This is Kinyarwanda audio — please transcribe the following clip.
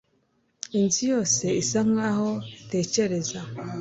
Inzu yose isa nkaho itekereza